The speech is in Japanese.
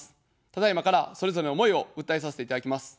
ただいまから、それぞれの思いを訴えさせていただきます。